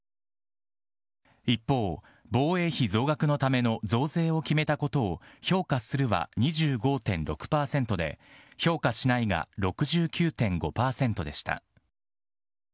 一方、防衛費増額のための増税を決めたことを評価するは２５．６％で、評価しないが６９．５％でした。